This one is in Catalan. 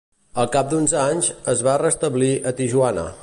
Al cap d'uns anys, es van restablir a Tijuana.